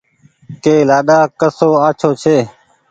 ڪه لآڏآ ڪسو آڇو ڇي